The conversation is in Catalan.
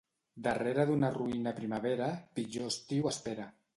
Darrere d'una roïna primavera, pitjor estiu espera.